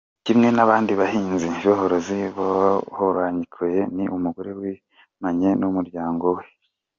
Kimwe n’abandi bahinzi-borozi, Muhorakeye ni umugore wishimanye n’umuryango we.